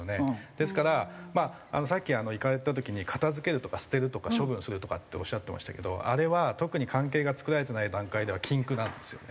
ですからまあさっき行かれてた時に「片付ける」とか「捨てる」とか「処分する」とかっておっしゃってましたけどあれは特に関係が作られてない段階では禁句なんですよね。